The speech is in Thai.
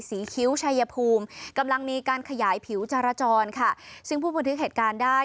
คิ้วชัยภูมิกำลังมีการขยายผิวจราจรค่ะซึ่งผู้บันทึกเหตุการณ์ได้